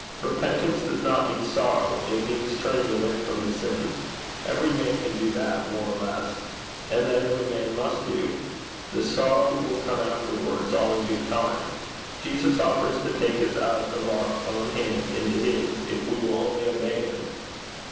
Repentance does not mean sorrow: it means turning away from the sins. Every man can do that, more or less. And that every man must do. The sorrow will come afterwards, all in good time. Jesus offers to take us out of our own hands into his, if we will only obey him.'